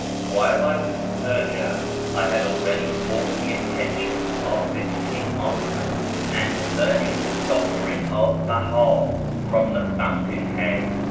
While I was in Persia I had already formed the intention of visiting Acre and learning the doctrine of Behá from the fountain head.